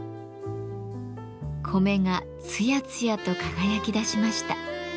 米がつやつやと輝きだしました。